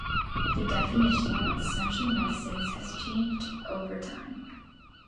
The definition of essential medicines has changed over time.